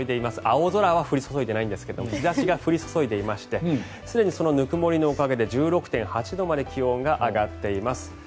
青空は降り注いでいないんですが日差しが降り注いでいましてすでにそのぬくもりのおかげで１６．８度まで気温が上がっています。